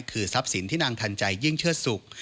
คือทรัพย์สินที่นางทันใจยิ่งเชิดสุข